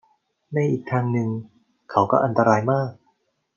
ในอีกทางนึง เขาก็อันตรายมาก